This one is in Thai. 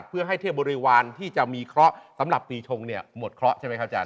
เพื่อให้เทพบริวารที่จะมีเคราะห์สำหรับปีชงเนี่ยหมดเคราะห์ใช่ไหมครับอาจาร